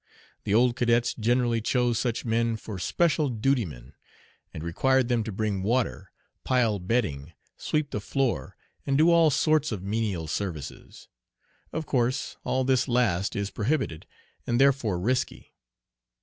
The old cadets generally chose such men for "special dutymen," and required them to bring water, pile bedding, sweep the floor, and do all sorts of menial services. Of course all this last is prohibited, and therefore risky.